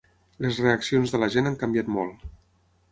Les reaccions de la gent han canviat molt.